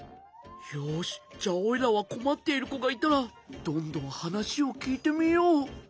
よしじゃあおいらはこまっているこがいたらどんどんはなしをきいてみよう。